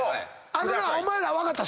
あのなお前ら分かった。